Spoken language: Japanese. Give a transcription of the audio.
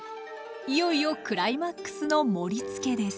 いよいよクライマックスの盛りつけです。